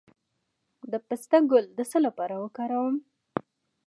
د پسته ګل د څه لپاره وکاروم؟